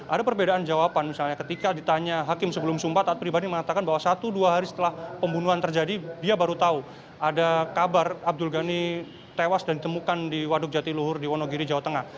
ada perbedaan jawaban misalnya ketika ditanya hakim sebelum sumpah taat pribadi mengatakan bahwa satu dua hari setelah pembunuhan terjadi dia baru tahu ada kabar abdul ghani tewas dan ditemukan di waduk jatiluhur di wonogiri jawa tengah